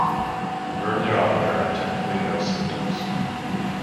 Early on there are typically no symptoms.